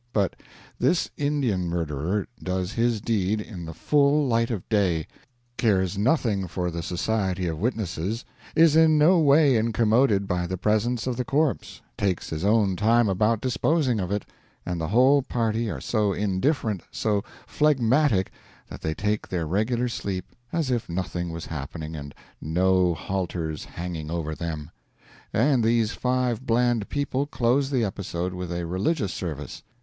But this Indian murderer does his deed in the full light of day, cares nothing for the society of witnesses, is in no way incommoded by the presence of the corpse, takes his own time about disposing of it, and the whole party are so indifferent, so phlegmatic, that they take their regular sleep as if nothing was happening and no halters hanging over them; and these five bland people close the episode with a religious service.